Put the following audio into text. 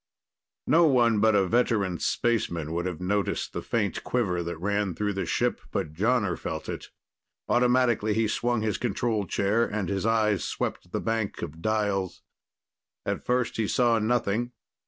No one but a veteran spaceman would have noticed the faint quiver that ran through the ship, but Jonner felt it. Automatically, he swung his control chair and his eyes swept the bank of dials. At first he saw nothing.